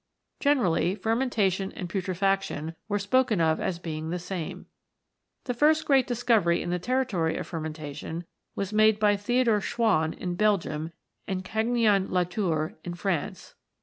Generally fermentation and putrefaction were spoken of as being the same. The first great discovery in the territory of fermen tation was made by Theodore Schwann in Belgium and Cagniard Latour in France.